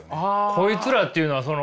「こいつら」っていうのはその。